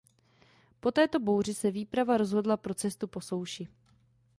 Po této bouři se výprava rozhodla pro cestu po souši.